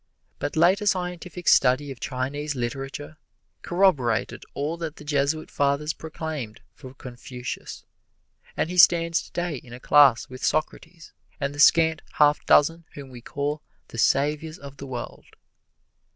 But later scientific study of Chinese literature corroborated all that the Jesuit Fathers proclaimed for Confucius, and he stands today in a class with Socrates and the scant half dozen whom we call the saviors of the world.